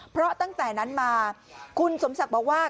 เพราะตั้งแต่นั้นมาคุณสมศักดิ์บอกว่า